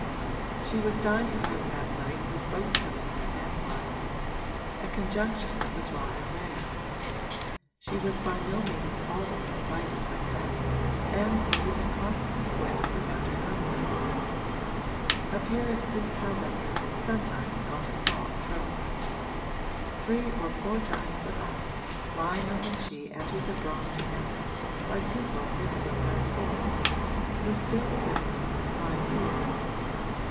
She was dining out that night with both Selina and Lionel a conjunction that was rather rare. She was by no means always invited with them, and Selina constantly went without her husband. Appearances, however, sometimes got a sop thrown them; three or four times a month Lionel and she entered the brougham together like people who still had forms, who still said 'my dear.'